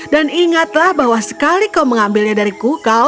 dan ingatlah bahwa sekali kau mengambilnya dari kukau